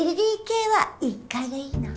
ＬＤＫは１階がいいな。